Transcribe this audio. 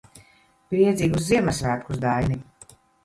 Priecīgus Ziemassvētkus, Daini.